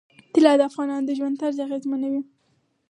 طلا د افغانانو د ژوند طرز اغېزمنوي.